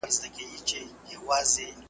خو چي وګورم څلور پښې مي نازکي .